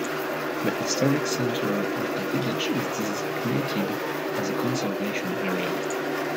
The historic centre of the village is designated as a conservation area.